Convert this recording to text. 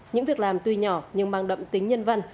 những việc làm tuy nhỏ nhưng mang đậm tính nhân văn